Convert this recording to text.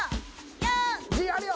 「じ」あるよ！